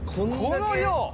この量！